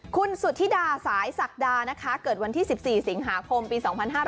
คุณสุธิดาสายศักดานะคะเกิดวันที่๑๔สิงหาคมปี๒๕๕๙